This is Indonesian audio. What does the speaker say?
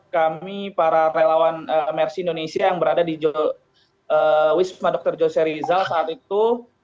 kami para relawan mersi indonesia yang berada di wisma dr jose rizal saat itu